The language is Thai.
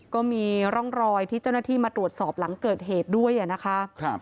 ก็มีร่องรอยที่เจ้าหน้าที่มาตรวจสอบหลังเกิดเหตุด้วยนะคะ